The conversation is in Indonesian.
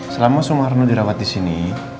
selama sumarno dirawat di sini